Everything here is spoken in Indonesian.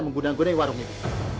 menggunakan warung itu